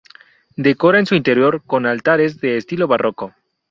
Decorada en su interior con altares de estilo barroco.